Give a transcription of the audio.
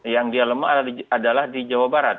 yang dia lemah adalah di jawa barat